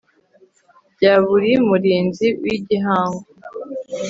bya buri Murinzi w Igihango